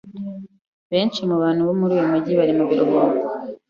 Benshi mubantu bo muri uyu mujyi bari mu biruhuko.